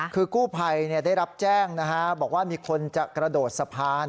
คือกู้ภัยได้รับแจ้งนะฮะบอกว่ามีคนจะกระโดดสะพาน